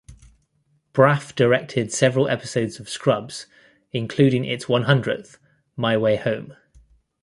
Braff directed several episodes of "Scrubs", including its one-hundredth, "My Way Home".